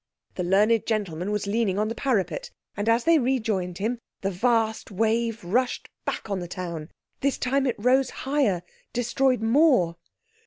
The learned gentleman was leaning on the parapet, and as they rejoined him the vast wave rushed back on the town. This time it rose higher—destroyed more.